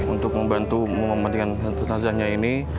untuk membantu mematikan penazahnya ini